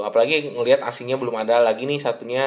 apalagi ngelihat asingnya belum ada lagi nih satunya